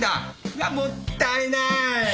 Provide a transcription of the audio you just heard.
うわもったいない！